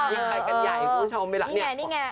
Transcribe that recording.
มีใครกันใหญ่คุณผู้ชมไหมละ